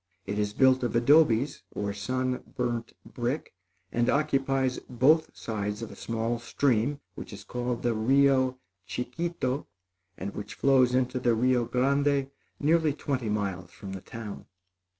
It is built of adobes, or sun burnt brick, and occupies both sides of a small stream which is called the Rio Chicito and which flows into the Rio Grande nearly twenty miles from the town.